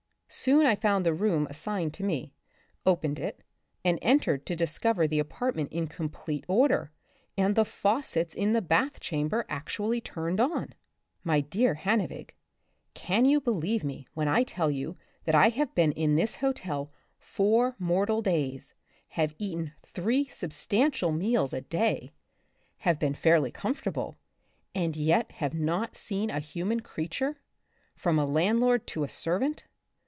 Soon I found the room assigned me, opened it, and entered \o discover the apartment m complete order, and the faucets in the bath chamber actually turned on ! My dear Hannevig, can you believe me when I tell you that I have been in this hotel four mortal days, have eaten three substantial meals \ 1 8 The Republic of the Future. a day, have been fairly comfortable, and yet have not seen a human creature, from a land lord to a servant